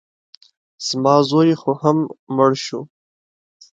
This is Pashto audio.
زما زوی خو هم مړ شو.